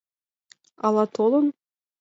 Ала толын?